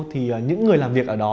thì những người làm việc ở đó